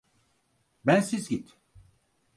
Bensiz git.